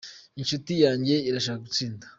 Inshuti yanjye irasha gutsinda.